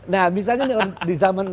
nah misalnya di zaman